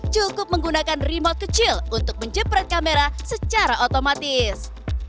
cukup menggunakan remote kecil untuk menjepret kamera secara otomatis